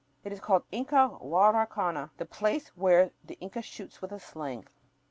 It is called Incahuaracana, "the place where the Inca shoots with a sling."